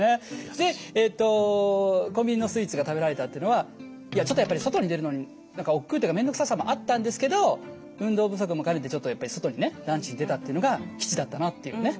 でえっと「コンビニのスイーツが食べられた」っていうのはいやちょっとやっぱり外に出るのに何かおっくうっていうかめんどくささもあったんですけど運動不足も兼ねてちょっとやっぱり外にねランチに出たっていうのが吉だったなっていうね。